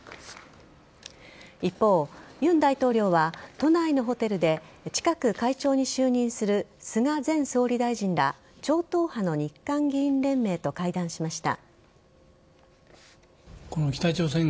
一方、尹大統領は都内のホテルで近く会長に就任する菅前総理大臣ら超党派の日韓議員連盟と会談しました。